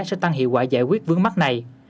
sẽ tăng hiệu quả giải quyết vướng mắt này